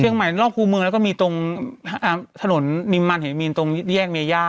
เชียงใหม่รอบคู่เมืองแล้วก็มีตรงอ่าถนนมีมันเห็นมีตรงแยกเมียย่า